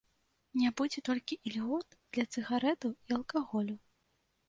Не будзе толькі ільгот для цыгарэтаў і алкаголю.